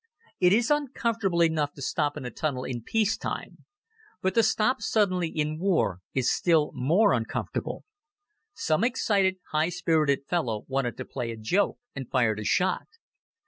It is uncomfortable enough to stop in a tunnel in peace time, but to stop suddenly in war is still more uncomfortable. Some excited, high spirited fellow wanted to play a joke and fired a shot.